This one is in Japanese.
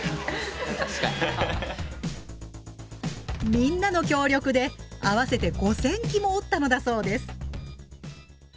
みんなの協力で合わせて５，０００機も折ったのだそうです。